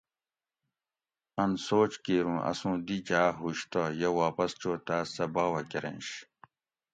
اۤن سوچ کِیر اُوں اسوُں دی جاۤ ہُوش تہ یہ واپس چو تاۤس سہۤ باوہ کۤرینش